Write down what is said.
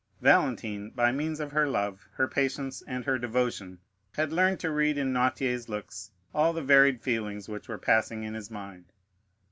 Valentine, by means of her love, her patience, and her devotion, had learned to read in Noirtier's look all the varied feelings which were passing in his mind.